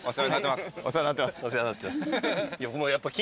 お世話になってます。